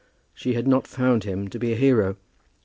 She had not found him to be a hero.